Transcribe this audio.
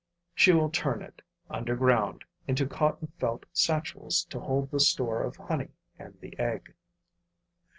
She will turn it, under ground, into cotton felt satchels to hold the store of honey and the egg.